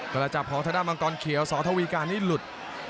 กำลังจับหอทดาบมังกรเขียวสอทวีการนี่หลุด